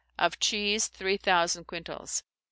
Of cheese, three thousand quintals.